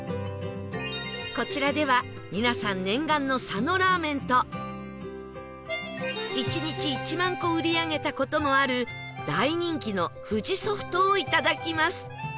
こちらでは皆さん念願の佐野ラーメンと１日１万個売り上げた事もある大人気の藤ソフトをいただきます